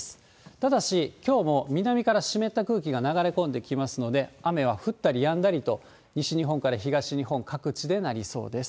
ただし、きょうも南から湿った空気が流れ込んできますので、雨は降ったりやんだりと、西日本から東日本、各地でなりそうです。